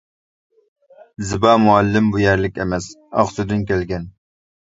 زىبا مۇئەللىم بۇ يەرلىك ئەمەس، ئاقسۇدىن كەلگەن.